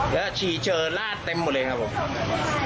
แล้วฉี่เจอลาดเต็มหมดเลยครับผมครับ